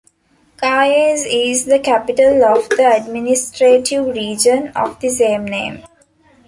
Kayes is the capital of the administrative region of the same name.